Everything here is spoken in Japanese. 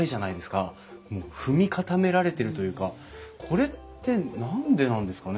もう踏み固められてるというかこれって何でなんですかね？